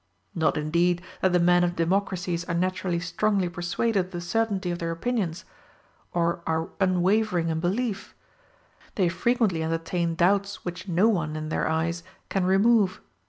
Not indeed that the men of democracies are naturally strongly persuaded of the certainty of their opinions, or are unwavering in belief; they frequently entertain doubts which no one, in their eyes, can remove.